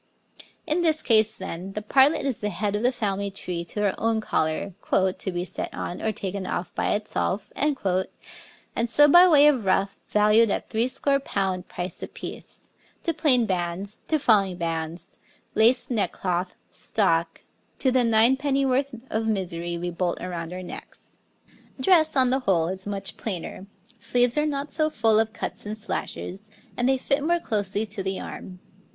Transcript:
In this case, then, the partlet is head of the family tree to our own collar, 'to be set on or taken off by itself,' and so by way of ruff, valued at threescore pound price apiece, to plain bands, to falling bands, laced neckcloth, stock to the nine pennyworth of misery we bolt around our necks. Dress, on the whole, is much plainer, sleeves are not so full of cuts and slashes, and they fit more closely to the arm.